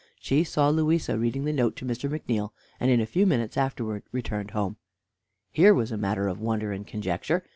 She saw Louisa reading the note to Mr. McNeal, and in a few minutes afterwards return home. Here was a matter of wonder and conjecture.